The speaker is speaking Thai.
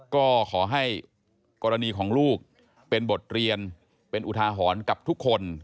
ก็ขอให้กรณีของลูกเป็นบทเรียนเป็นอุทาหรณ์กับทุกคน